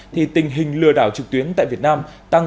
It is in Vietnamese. thì tình hình lừa đảo trực tuyến tại việt nam